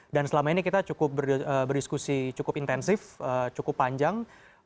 dan selama ini kita cukup berdiskusi cukup intensif cukup panjang